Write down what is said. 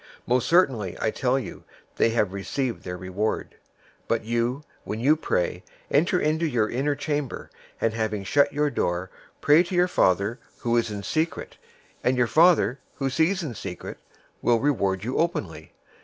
Most certainly, I tell you, they have received their reward. 006:006 But you, when you pray, enter into your inner chamber, and having shut your door, pray to your Father who is in secret, and your Father who sees in secret will reward you openly.